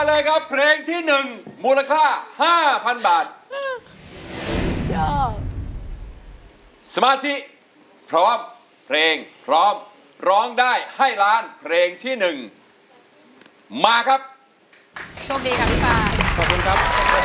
เลยครับเพลงที่หนึ่งมูลค่าห้าพันบาทสมาธิพร้อมเพลงพร้อมร้องได้ให้ล้านเพลงที่หนึ่งมาครับโชคดีค่ะพี่ป่าขอบคุณครับ